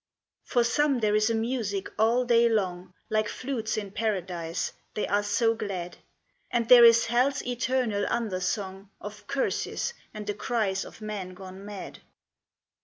For some there is a music all day long Like flutes in Paradise, they are so glad; And there is hell's eternal under song Of curses and the cries of men gone mad.